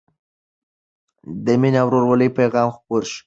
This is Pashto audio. د مینې او ورورولۍ پيغام خپور کړئ.